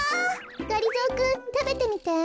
がりぞーくんたべてみて。